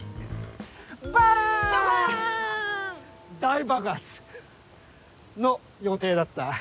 大爆発の予定だった。